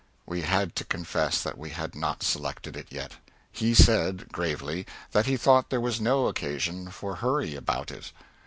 We had to confess that we had not selected it yet. He said, gravely, that he thought there was no occasion for hurry about it.